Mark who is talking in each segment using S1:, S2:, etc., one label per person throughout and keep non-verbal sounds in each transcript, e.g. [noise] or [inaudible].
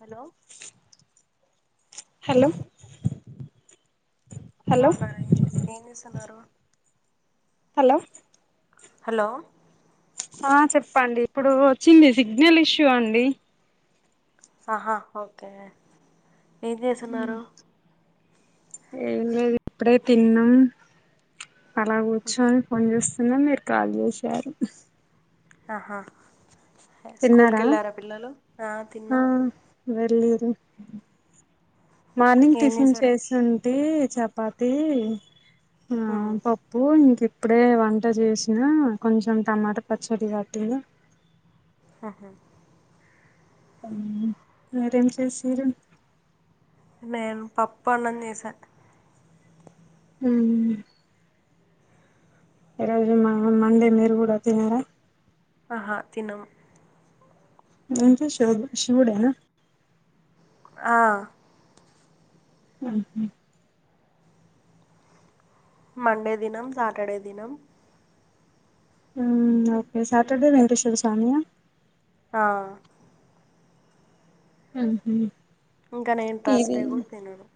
S1: Hello
S2: hello hello
S1: బావున్నారా ఏం చేస్తున్నారు
S2: హలో
S1: హలో
S2: ఆ చెప్పండి ఇప్పుడు వచ్చింది సిగ్నల్ ఇష్యూ అండి
S1: ఆహా ఓకే ఏం చేస్తున్నారు
S2: ఏం లేదు ఇప్పుడే తిన్నాం అలా కూర్చొని ఫోన్ చూస్తున్నా మీరు కాల్ చేశారు
S1: ఆహా స్కూల్క్
S2: తిన్నారా
S1: కెళ్ళారా పిల్లలు ఆ తిన్నాము
S2: వెల్లిర్రు మార్నింగ్
S1: ఏం
S2: టిఫిన్
S1: చేశారు
S2: చేసింటే చపాతి
S1: ఆ
S2: పప్పు ఇంక ఇప్పుడే వంట చేసిన కొంచెం టమాటా పచ్చడి కట్టినా
S1: ఆహా
S2: ఉం మీరేం చేసిరు
S1: నేను పప్పు అన్నం చేసా
S2: ఉమ్ ఈ రోజు మా మండే మీరు కూడా తినారా
S1: ఆహా తినం
S2: ఏంటి షి శివుడ
S1: ఆ
S2: హు హామ్
S1: మండే తినం సాటర్డే తినం
S2: ఉం ఓకే సాటర్డే వెంకటేశ్వర స్వామియా
S1: ఆ
S2: హు హామ్
S1: ఇంకా నేను త్ర్సడే కూడా తినను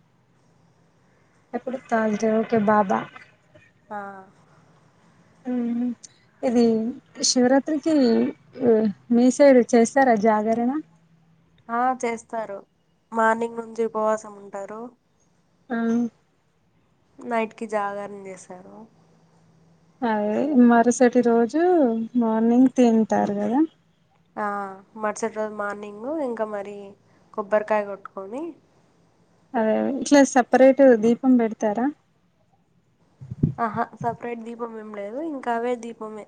S2: ఎప్పుడు త్ర్సడై ఓకే బాబా
S1: ఆ
S2: మ్మ్ ఇది శివరాత్రికి మీ సైడ్ చేస్తారా జాగరణ
S1: ఆ చేస్తారు మార్నింగ్ నుంచి ఉపవాసం ఉంటారు
S2: ఆ
S1: నైట్ కి జాగారణ చేసారు
S2: అదే మరుసటి రోజు మార్నింగ్ తింటారు కదా
S1: ఆ మరుసటి రోజు మార్నింగు ఇంకా మరి కొబ్బరికాయ కొట్టుకొని
S2: అదే ఇట్లా సపరేట్ దీపం పెడతారా
S1: ఆహా సపరేట్ దీపం ఏం లేదు ఇంకా అవే దీపమే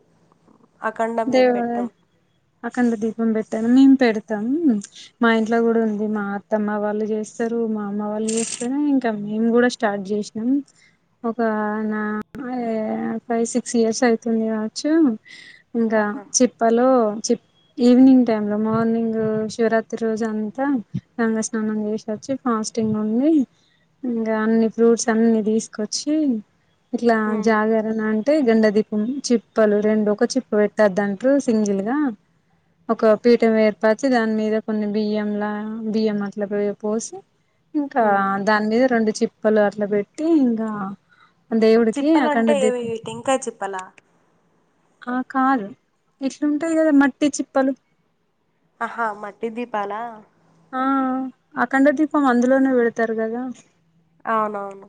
S1: అఖండం ఏం
S2: దేవుడే
S1: పెట్టం.
S2: అఖంద దీపం పెట్టాను మేం పెడతాం మా ఇంట్లో కూడా
S1: ఆహా!
S2: ఉంది మా త్తమ్మ వాళ్ళు చేస్తారు మా అమ్మ వాళ్ళు చేస్తేనే ఇంకా మేము కూడా స్టార్ట్ చేసినాం ఒక నా ఫైవ్ సిక్స్ ఇయర్స్ అయితుంది కావచ్చు ఇంగా
S1: ఆహా!
S2: చిప్పలో చి ఈవినింగ్ టైమ్ లో మార్నింగ్ శివరాత్రి రోజు అంతా గంగ స్నానం చేసి వచ్చి ఫాస్టింగ్ ఉండి ఇంగ అన్ని ఫ్రూట్స్ అన్ని తీసుకొచ్చి ఇట్లా
S1: హ్మ్.
S2: జాగరణ అంటే గండ దీపం చిప్పలు రెండు ఒక చిప్ పెడతారు దాంట్లో సింగిల్ గా ఒక పీఠం ఏర్పచి దాని మీద కొన్ని బియ్యంలా బియ్యం అట్ల పో పోస్ ఇంకా
S1: హ్మ్.
S2: దాని మీద రెండు చిప్పలు అట్లా పెట్టి ఇంకా దేవుడికి
S1: చిప్పలంటే
S2: అఖండ ది
S1: ఏవి టెంకాయ చిప్పలా
S2: ఆ కాదు ఎట్లుంటాయి కదా మట్టి చిప్పలు
S1: ఆహా మట్టి దీపలా
S2: ఆ అఖండ దీపం అందులోనే వెడతారు కదా
S1: అవునవును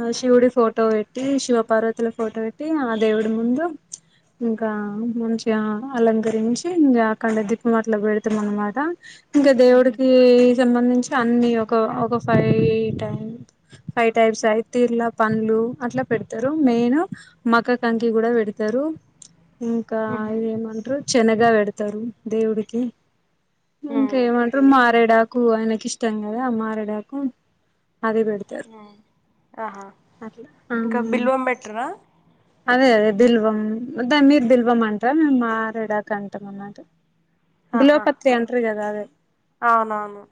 S2: ఆ శివుడి ఫోటో పెట్టి శివ పార్వతిల ఫోటో పెట్టి ఆ దేవుడి ముందు ఇంకా మంచిగా అలంకరించి అఖండ దీపం అట్ల పెడతాం అనమాట ఇంకా
S1: హుహు.
S2: దేవుడికి సంబంధించి అన్ని ఒక ఒక ఫైవ్ టైమ్ ఫైవ్ టైప్స్ అయి తీర్ల పండ్లు అట్ల పెడతారు మెయిన్ మక కంకి కూడా పెడతారు ఇంకా
S1: హుహు.
S2: ఇదేంమంటరు శనగ పెడతారు దేవుడికి
S1: హ్మ్.
S2: ఏమంటరు మారేడాకు ఆయనకి ఇష్టం కదా ఆ మారేడాకు అది పెడుత్
S1: హ్మ్. ఆహా!
S2: ఆ
S1: ఇంకా బిల్వం పెట్టరా?
S2: అదే అదే బిల్వం దాని మీద బిల్వం అంటాం మేము మారేడాక అంటాం అన్నమాట
S1: ఆహా!
S2: దిల్వపత్రి అంటారు కదా అదే
S1: అవునవును.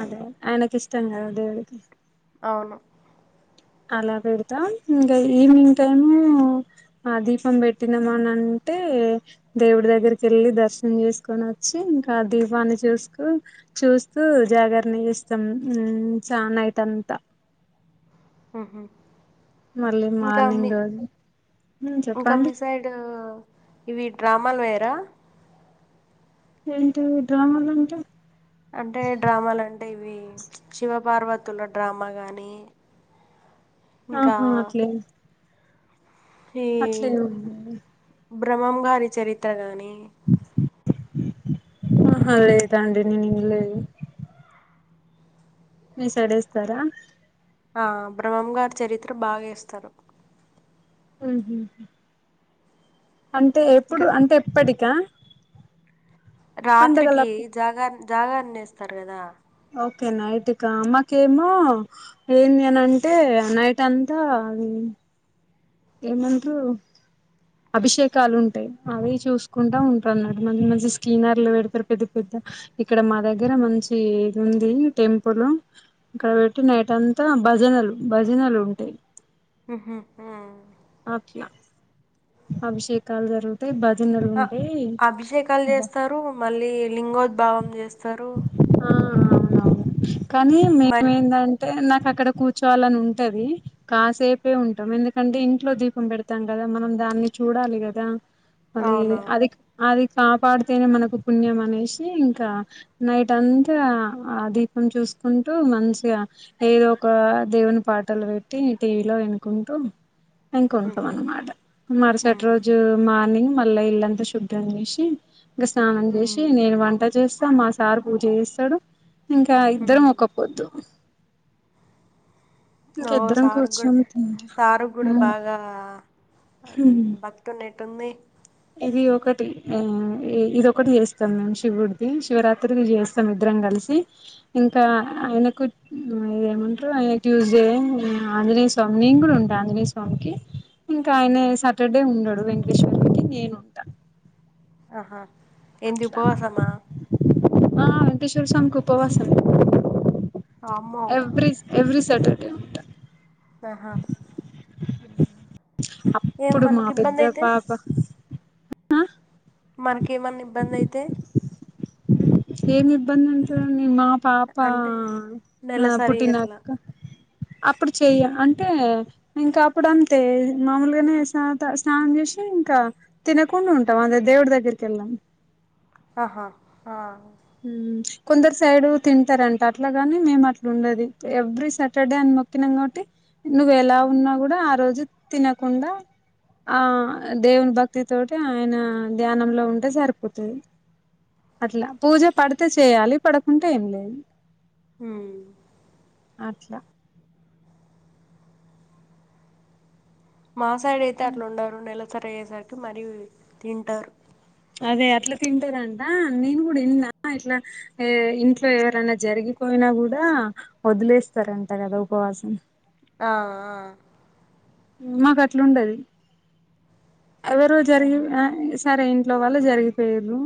S2: అదే ఆయనకి ఇష్టం కదా దేవుడికి
S1: అవును
S2: అలా పెడతాం ఇంకా ఈవినింగ్ టైమ్ ఉమ్ ఆ దీపం పెట్టిమ నంటే దేవుడి దగ్గరికి వెళ్ళి దర్శనం చేసుకొని వచ్చి ఇంకా దీపాన్ని చూసుకో చూస్తూ జాగరణ చేస్తాం ఉమ్ చ నైట్ అంతా
S1: మ్ హు హూ
S2: మళ్ళీ
S1: ఇంకా మీ
S2: మార్నింగ్ రోజు
S1: ఇంకా
S2: చెప్పండి
S1: మీ సైడ్ ఇవి డ్రామాలు వేయరా?
S2: ఏంటి డ్రామాలంటే?
S1: అంటే డ్రామలు అంటే ఇవి శివ పార్వతుల డ్రామా కానీ ఉమ్
S2: ఆహా అట్లేం
S1: ఈ
S2: అట్లేం
S1: బ్రహ్మంగారి చరిత్ర గాని
S2: ఆహా లేదండి నేను వినలేదు మీ సైడ్ వేస్తారా?
S1: ఆ బ్రహ్మంగారి చరిత్ర బాగా వేస్తారు.
S2: మ్ హూ అంటే ఎప్పుడు
S1: ఇంకా
S2: అంటే ఎప్పటికా
S1: రాత్రికి
S2: పండగలప్పుడు
S1: జాగా జాగారం చేస్తారు కదా
S2: ఓక నైట్కా ఆమెకేమో ఏంది అనంటే నైట్ అంతా అది ఏమంటారు అభిషేకాలు ఉంటాయి. అవి చూసుకుంటా ఉంటాయి అన్నట్టు మంచి మంచి స్కీనర్లు పెడతారు పెద్ద పెద్ద ఇక్కడ మా దగ్గర మంచి ఇది ఉంది టెంపుల్ ఇక్కడ పెట్టి నైట్ అంతా భజనలు భజనలు ఉంటాయి.
S1: ఉహూ హుమ్
S2: అట్లా అభిషేకాలు జరుగుతాయి. భజనలు
S1: ఆ,
S2: ఉంటాయి.
S1: అభిషేకాలు చేస్తారు మళ్ళీ లింగోద్భావం చేస్తారు.
S2: ఆ అవునవును కానీ మేము
S1: మరి
S2: ఏంటంటే? అంటే నాకు అక్కడ కూర్చోవాలని ఉంటాది. కాసేపే ఉంటాం ఎందుకంటే ఇంట్లో దీపం పెడు తాం కదా మనం దాన్ని చూడాలి కదా? అది
S1: అవునవును
S2: అది అది కాపాడితేనే మనకు పుణ్యం అనేసి ఇంకా నైట్ అంతా ఆ దీపం చూసుకుంటూ మంచిగా ఏదో ఒక దేవుని పాటలు పెట్టి టీవీలో వినుకుంటూ ఇంక ఉంటాం
S1: ఉహు,
S2: అన్నమాట. మరుసటి
S1: ఉమ్,
S2: రోజు మార్నింగ్ మళ్ళా ఇల్లంతా శుభ్రం చేసి ఇంకా స్నానం
S1: ఉమ్,
S2: చేసి నేను వంట చేస్తా మా సార్ పూజ చేస్తాడు ఇంకా ఇద్దరం
S1: ఉమ్.
S2: ఒక్కపొద్దు. ఇంక
S1: ఓ
S2: ఇద్దరం
S1: సార్ గూడ
S2: కూర్చొని తింటా
S1: సార్ గూడ బాగా భక్తి దీంట్లో నెట్ ఉంది.
S2: ఇది ఒకటి ఇది ఒకటి చేస్తాం మేము శివుడిది. శివరాత్రికి చేస్తాం. ఇద్దరం కలిసి ఇంకా ఆయనకు ఏమంటారు ఆయన ట్యూస్డే ఆంజనేయ స్వామి నేను కూడా ఉంటా ఆంజనేయ స్వామికి, ఇంకా ఆయన సాటర్డే ఉండడు వెంకటేశ్వర నేనుంటా
S1: ఆహా ఏంది
S2: అట్లనా
S1: ఉపవాసమా
S2: ఆ వెంకటేశ్వర స్వామికి ఉపవాసం.
S1: అమ్మో
S2: ఎవరీ ఎవరీ సాటర్డే ఉంటా.
S1: ఆహా ఏం
S2: అప్పుడు మా
S1: మనకి
S2: పెద్ద
S1: ఇబ్బంది అయితే
S2: పాప ఆ
S1: మనకి ఏమన్నా ఇబ్బంది అయితే
S2: [unintelligible] ఏమి ఇబ్బంది ఉంటదండి మా పాప
S1: అంటే నెలసరి అట్లా
S2: పుట్టినాక అప్పుడు చెయ్య అంటే ఇంకా అప్పుడు అంతే మాముూలుగానే స్నానం చేసి ఇంకా తినకుండా ఉంటామ్ దేవుడి దగ్గరికి వెళ్ళాము
S1: ఆహా ఆ
S2: కొందరు సైడు తింటారంట అట్లాగాని మేము అట్లు ఉండదు ఎవ్రీ సాటర్డే అని మొ తినం కాబట్టి నువ్వు ఎలా ఉన్నా కూడా ఆ రోజు తినకుండా ఆ దేవుని భక్తితోటి ఆయన ధ్యానంలో ఉంటే సరిపోతుంది అట్లా పూజపడితే చేయాలి పడకుంటే ఏం లేదు
S1: ఉ
S2: అట్లా
S1: మా సైడ్ అయితే అట్లా ఉండరు నెలసరి అయ్యేసరికి మరీ తింటారు
S2: అదే అట్లా తింటారంట నేను కూడా విన్న ఇట్లా ఏ ఇంట్లో ఎవరైనా జరిగిపోయినా కూడా వదిలేస్తారంట కదా ఉపవాసం
S1: ఆ ఆ
S2: మాకు అట్లా ఉండది అదే రోజు
S1: ఆహా
S2: జరిగిన సరే ఇంట్లోవాళ్లు జరిగిపోయిరు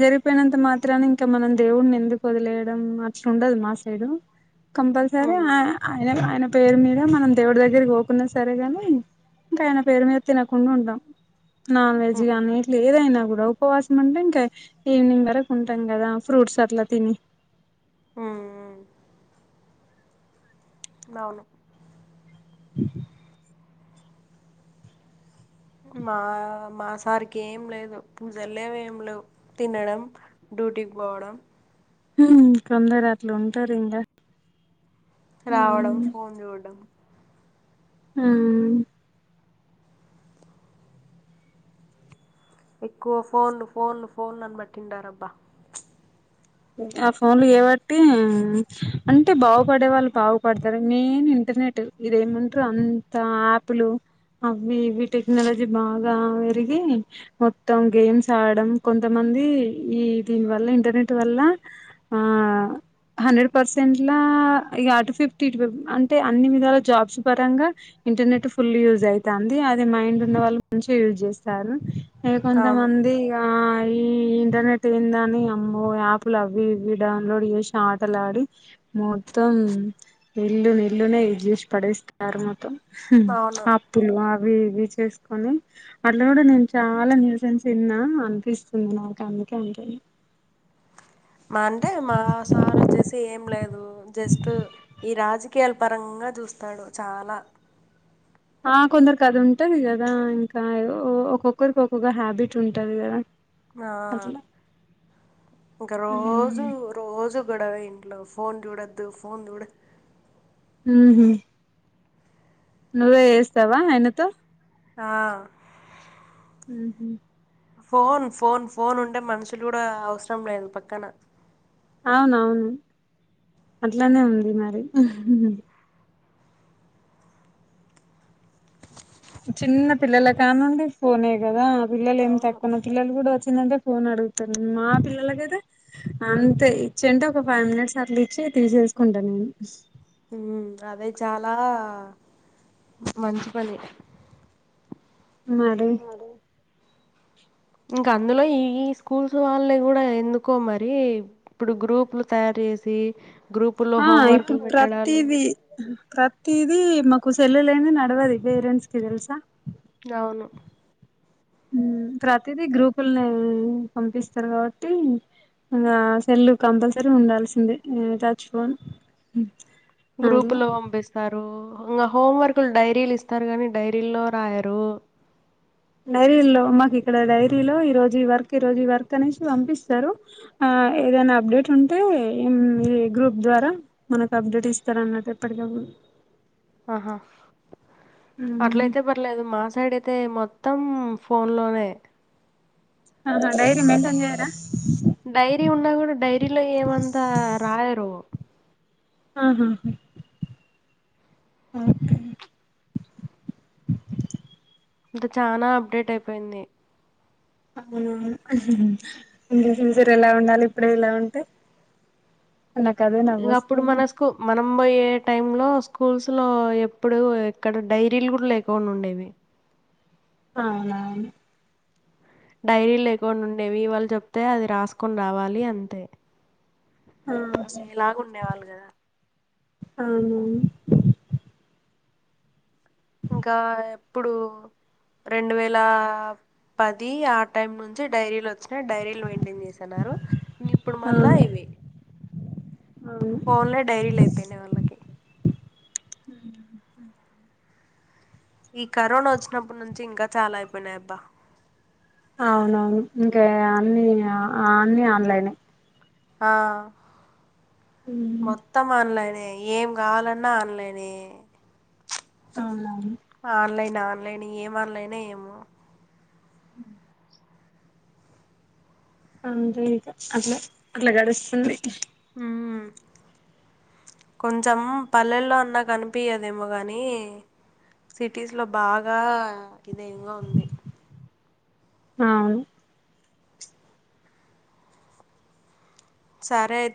S2: జరిగిపోయినంత మాత్రన ఇంకా మనం దేవుడిని ఎందుకు వదిలేయడం అట్లు ఉండదు మా సైడ్
S1: [unintelligible]
S2: కంపల్సరీ
S1: ఉమ్
S2: ఆ
S1: ఉహు
S2: ఆయన ఆయన పేరు మీద మనం దేవుడి దగ్గర పోకున్న సరే సరేగాని ఇంకా ఆయన పేరు మీద తినకుండా ఉంటాం నాన్ వెజ్ గాని ఏదైనా కూడా ఉపవాసం అంటే ఇంకా ఈవినింగ్ వరకు ఉంటాం కదా ఫ్రూట్స్ అట్లా తిని
S1: ఉమ్ అవును
S2: ఇ [unintelligible]
S1: మా మా సారికి ఏంలేదు పూజలేవ ఏంలేవ్ తినడం డ్యూటీకి పోవడం
S2: కొందరు అట్లు ఉంటారు ఇంకా
S1: రావడం
S2: ఉమ్
S1: ఫోన్ చూడడం
S2: ఉ
S1: ఎక్కువ ఫోన్లు ఫోన్లు ఫోన్ అనట్టుంటారు అబ్బా
S2: ఆ ఫోన్లు చేయబట్టి అంటే బాగుపడే వాళ్ళు బాగుపడతారు మెయిన్ ఇంటర్నెట్ ఇదేమంటారు అంత ఆ యాపులు అవి ఇవి టెక్నాలజీ బాగా పెరిగి మొత్తం గేమ్స్ ఆడడం కొంతమంది ఈ దీని వల్ల ఇంటర్నెట్ వల్ల ఆ హండ్రెడ్ పర్సెంట్లా ఇగ ఫీఫ్టీ అటు ఫిఫ్టీ అంటే అన్ని విధాల జాబ్స్ పరంగా ఇంటర్నెట్ ఫుల్ యూజ్ అయితాంది అది మైండ్ ఉన్న వాళ్ళు మంచిగా యూజ్ చేస్తారు ఏ
S1: అవును
S2: కొంతమంది ఆ ఈ ఇంటర్నెట్ ఏందని అమ్మ ఓ యాప్లు అవి ఇవి డౌన్లోడ్ చేసి ఆ ఆటలాడి మొత్తం ఇల్లు ఇల్లునే జూసి పడేస్తున్నారు మొత్తం ఉమ్
S1: అవును
S2: అప్పులు అవి ఇవి చేసుకొని అట్ల కూడా నేను చాలా న్యూసెన్స్ విన్న అనిపిస్తుంది నాకు అందుకే అంటే
S1: మంటే మా సార్ ఒచ్చేసి ఏం లేదూ జస్ట్ ఈ రాజకీయాల పరాం గా జూస్తాడు చాలా
S2: ఆ కొందరుకి అది ఉంటది గదా ఇంకా ఒ ఒక్కొక్కరికి ఒక్కొక్క హ్యాబిట్ ఉంటంది గదా
S1: ఆ ఇంక రో జు రోజు గొడవే ఇంట్లో ఫోన్ జూడొద్దు ఫోన్ జూడ
S2: ఉహూ నువ్వే ఎస్తావా ఆయినతో
S1: ఆ
S2: ఉహు
S1: ఫోన్ ఫోన్ ఫోన్ ఉంటే మన్షులుడా అవ్స్రం లేదు పక్కన
S2: అవునవును అట్లానే ఉంది మరి చిన్న పిల్లల కానుండి ఫోనే గదా ఆ పిల్లలు ఏం
S1: అవును
S2: తక్కున పిల్లలు గూడా ఒచ్చిందంటే ఫోన్ అడుగుతారు మా పిల్లలకైతే అంతే ఇచ్చుంటే ఒక ఫైవ్ మినిట్స్ అట్లా ఇచ్చి తీసేస్కుంటా నేను
S1: ఉమ్ అదే చాలా మంచి పని
S2: మరి
S1: ఇంకా అందులో ఈ ఈ స్కూల్స్ వల్లే గూడా ఎందుకో మరి ఇప్పుడు గ్రూపులు తయారు ఎసి గ్రూపుల్లో హోంవర్క్లు పెట్టడాలు
S2: ప్రత్తీది మాకు సెల్లు లేన్ది నడ్వది పేరెంట్స్ కి తెల్సా
S1: అవును
S2: ఉమ్ ప్రతిదీ గ్రూపుల్నే పంపిస్తారు కావట్టి ఇగా సెల్లు కంపల్సరీ ఉండాల్సిందే ఉ టచ్ ఫోన్
S1: గ్రూపు
S2: అట్లా
S1: లో వంపిస్తారూ ఇంగా హోమ్ వర్క్లు డైరీలు ఇస్తారు గాని డైరీ ల్లో రాయారు
S2: డైరీల్లో మాకు ఇక్కడ డైరీలో ఈ రోజు ఈ వర్క్ ఈ రోజు ఈ వర్క్ అనేసి వంపిస్తారు ఆ ఏదైనా అప్డేట్ ఉంటే ఇమ్ ఈ గ్రూప్ ద్వారా మనకు అప్డేట్ ఇస్తారన్నట్టు ఎప్పటికప్పుడు
S1: ఆహా అట్లాయితే ట్లేదు మా సైడ్ అయితే మొత్తాం ఫోన్ లోనే
S2: ఆహా డైరీ మెంటేన్ జేయ్ రా
S1: డైరీ ఉన్నా గూడా డైరీలో ఏమంతా రాయరు
S2: ఆహా ఆకే
S1: ఇంకా చానా అప్డేట్ అయిపోయింది
S2: ఇంకా ఫ్యూచర్ ఎలా ఉండాలి ఇప్పుడే ఇలా ఉంటే నాకు అదే నవ్వు
S1: ఇగా అప్పుడు మన
S2: వస్తుంది
S1: కు మనం బోయే టై లో స్కూల్స్ లో ఎప్పుడు ఎక్కడ డైరీలు కూడా లేకుకుండా ఉండేవి
S2: అవునవును
S1: డైరీ లేకుండా ఉండేవి వాళ్లు చెప్తే అది రాస్కొని రావాలి అంతే అసేలాగ ఉండేవాళ్ళు గదా
S2: అవునవును
S1: ఇంకా ఎప్పుడూ రెండు వేలా పది ఆ టైం నుంచి డైరీలోచ్చినై డైరీలు మెయింటైన్ చే తన్నారు నీప్పుడు మళ్ళా
S2: అవును
S1: ఇవి
S2: అవును
S1: ఫోన్లే డైరీలైపోయినై వాళ్లకి ఈ కరోనా ఒచ్చినప్పటి నుంచి ఇంకా చాలా అయిపోయినై అబ్బా
S2: అవునవును ఇంకా ఎ అన్ని ఆన్ని ఆన్లైన్
S1: ఆ మొ మొత్తం ఆన్లైనే ఏం కావాలన్నా ఆన్లైనే
S2: అవునవును
S1: ఆన్లైన్ ఆన్లైన్ ఏం ఆన్లైనే ఏమో
S2: అంతే ఇక అట్ల అట్లా గడుస్తుంది
S1: ఉమ్ కొంచెం పల్లెల్లో అన్నా కనిపియదేమో గాని సిటీస్లో బాగా ఇదేంగా ఉంది
S2: ఆ అవును
S1: సరే అయితే